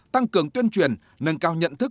tăng cường tuyên truyền nâng cao nhận thức